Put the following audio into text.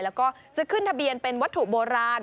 แล้วก็จะขึ้นทะเบียนเป็นวัตถุโบราณ